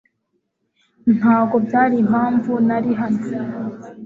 Ntabwo byari impamvu nari hano